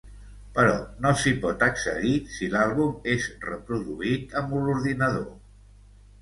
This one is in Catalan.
Però no s'hi pot accedir si l'àlbum és reproduït amb l'ordinador.